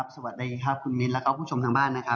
สวัสดีครับคุณมินทร์และคุณผู้ชมทางบ้าน